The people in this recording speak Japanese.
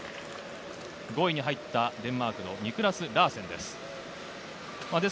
５位に入ったデンマークのニクラス・ラーセンです。